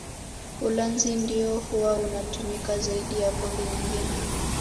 Ulanzi ndio huwa unatumika zaidi ya pombe nyingine